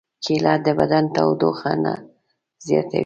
کېله د بدن تودوخه نه زیاتوي.